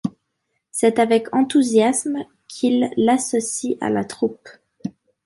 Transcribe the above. C'est avec enthousiasme qu'il l'associe à la troupe.